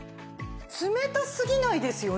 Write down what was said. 冷たすぎないですよね。